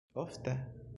Ofte?